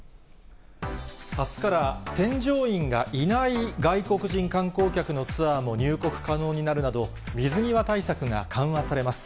あすから添乗員がいない外国人観光客のツアーも入国可能になるなど、水際対策が緩和されます。